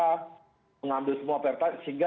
mengambil semua pertalat sehingga